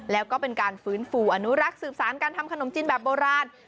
แล้วก็เป็นการฟื้นฟูอนุรักษ์สืบสารการทำขนมจีนแบบโบราณ